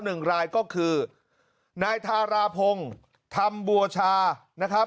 หนึ่งรายก็คือนายทาราพงศ์ธรรมบัวชานะครับ